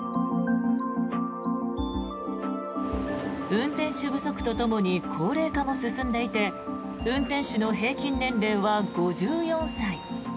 運転手不足とともに高齢化も進んでいて運転手の平均年齢は５４歳。